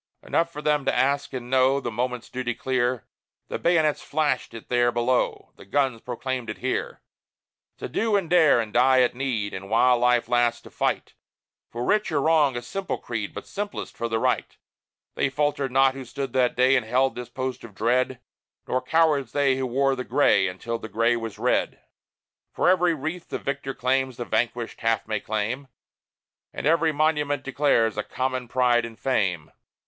Enough for them to ask and know The moment's duty clear The bayonets flashed it there below, The guns proclaimed it here: To do and dare, and die at need, But while life lasts, to fight For right or wrong a simple creed, But simplest for the right. They faltered not who stood that day And held this post of dread; Nor cowards they who wore the gray Until the gray was red. For every wreath the victor wears The vanquished half may claim; And every monument declares A common pride and fame.